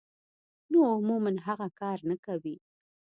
نو عموماً هغه کار نۀ کوي -